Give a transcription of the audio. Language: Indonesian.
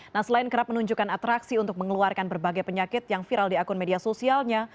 nah selain kerap menunjukkan atraksi untuk mengeluarkan berbagai penyakit yang viral di akun media sosialnya